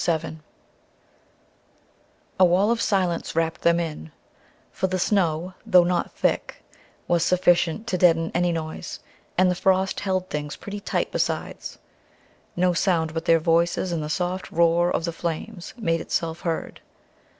VII A wall of silence wrapped them in, for the snow, though not thick, was sufficient to deaden any noise, and the frost held things pretty tight besides. No sound but their voices and the soft roar of the flames made itself heard.